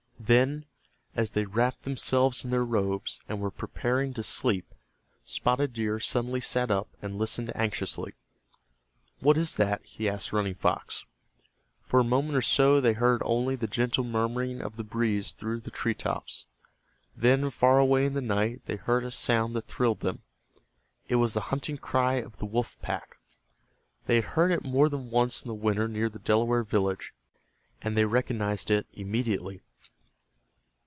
Then, as they wrapped themselves in their robes, and were preparing to sleep, Spotted Deer suddenly sat up and listened anxiously. "What is that?" he asked Running Fox. For a moment or so they heard only the gentle murmuring of the breeze through the tree tops. Then, far away in the night, they heard a sound that thrilled them. It was the hunting cry of the wolf pack. They had heard it more than once in the winter near the Delaware village, and they recognized it immediately.